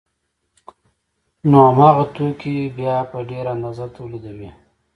نو هماغه توکي بیا په ډېره اندازه تولیدوي